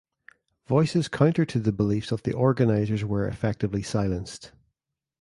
Voices counter to the beliefs of the organizers were effectively silenced.